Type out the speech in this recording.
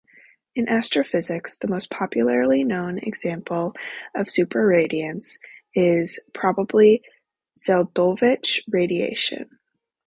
In astrophysics, the most popularly known example of superradiance is probably Zel'dovich radiation.